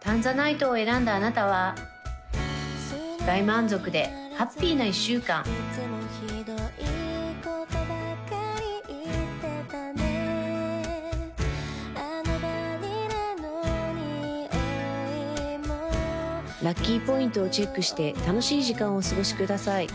タンザナイトを選んだあなたは大満足でハッピーな１週間ラッキーポイントをチェックして楽しい時間をお過ごしください